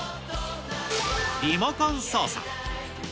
リモコン操作。